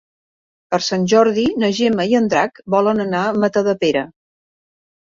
Per Sant Jordi na Gemma i en Drac volen anar a Matadepera.